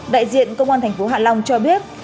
đại diện công an thành phố hạ long cho biết